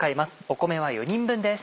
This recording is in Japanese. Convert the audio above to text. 米は４人分です。